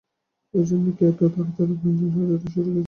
এই জন্যেই কি এত শাড়ি-গয়না পরে সাজতে শুরু করেছিস?